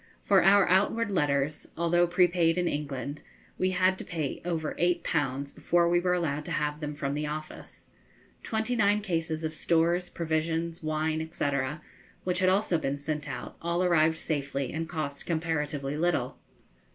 For our outward letters, although prepaid in England, we had to pay over eight pounds before we were allowed to have them from the office. Twenty nine cases of stores, provisions, wine, &c., which had also been sent out, all arrived safely, and cost comparatively little.